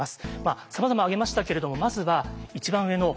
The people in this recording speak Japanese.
さまざま挙げましたけれどもまずは一番上の転籍制限